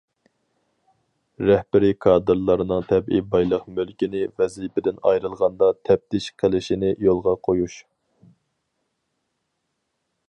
رەھبىرىي كادىرلارنىڭ تەبىئىي بايلىق مۈلكىنى ۋەزىپىدىن ئايرىلغاندا تەپتىش قىلىشنى يولغا قويۇش.